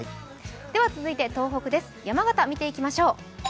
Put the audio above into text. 続いて東北です、山形、見ていきましょう。